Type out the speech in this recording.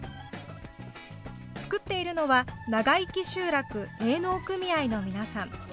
作っているのはながいき集落営農組合の皆さん。